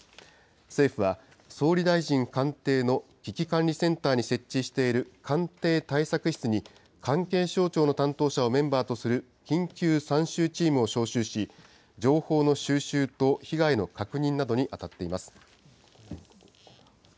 政府は、総理大臣官邸の危機管理センターに設置している官邸対策室に、関係省庁の担当者をメンバーとする緊急参集チームを招集し、情報の収集と被害の確認などに当たっています。